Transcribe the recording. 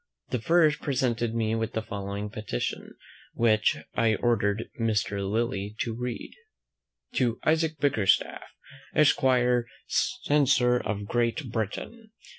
The first presented me with the following petition, which I ordered Mr. Lillie to read. "TO ISAAC BICKERSTAFF, ESQUIRE, CENSOR OF GREAT BRITAIN.